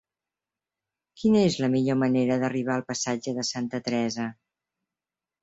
Quina és la millor manera d'arribar al passatge de Santa Teresa?